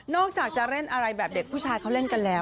อกจากจะเล่นอะไรแบบเด็กผู้ชายเขาเล่นกันแล้ว